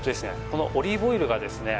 このオリーブオイルがですね